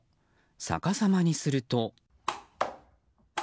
逆さまにすると。